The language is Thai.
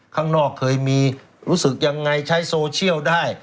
ข้างนอกเคยมีรู้สึกยังไงใช้โซเชียลได้